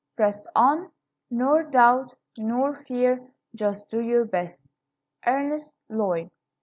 Press on, Nor doubt, nor fear. Just do your best. ERNEST LLOYD.